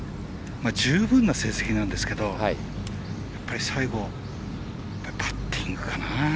十分な成績なんですけどやっぱり最後、パッティングかな。